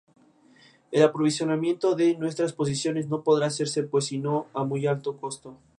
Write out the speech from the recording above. Ahora se fabrican escaleras mecánicas y pasillos rodantes para centros comerciales de toda Rusia.